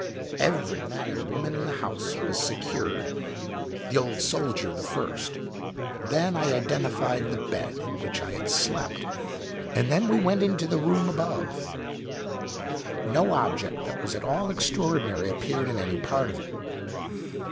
Every man and woman in the house was secured the "Old Soldier" the first. Then I identified the bed in which I had slept, and then we went into the room above. No object that was at all extraordinary appeared in any part of it.